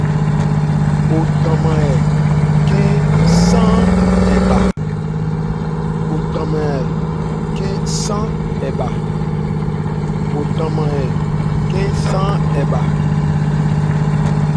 Wo tranman hɛ khɛ́n sáán ɛ bha.